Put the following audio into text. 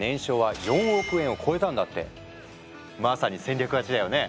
まさに戦略勝ちだよね！